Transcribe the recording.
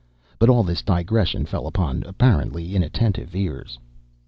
But all this digression fell upon apparently inattentive ears.